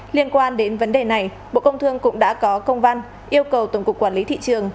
liên quan đến vấn đề này bộ công thương cũng đã có công văn yêu cầu tổng cục quản lý thị trường